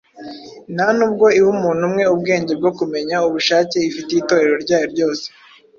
Nta n’ubwo iha umuntu umwe ubwenge bwo kumenya ubushake ifitiye Itorero ryayo ryose,